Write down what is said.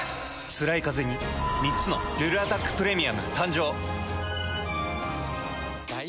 つらいカゼに３つの「ルルアタックプレミアム」誕生。